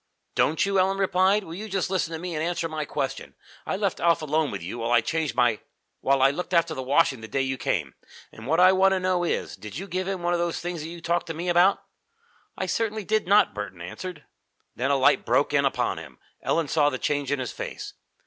"Don't you!" Ellen replied. "Well, just you listen to me and answer my question. I left Alf alone with you while I changed my while I looked after the washing the day you came, and what I want to know is, did you give him one of those things that you talked to me about?" "I certainly did not," Burton answered. Then a light broke in upon him. Ellen saw the change in his face.